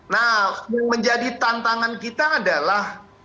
nah yang menjadi tantangan kita adalah